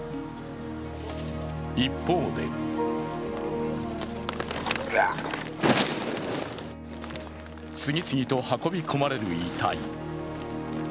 一方で次々と運び込まれる遺体。